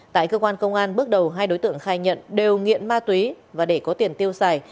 tại cơ quan công an bước đầu hai đối tượng khai nhận đều nghiện ma túy và để có tiền tiêu xài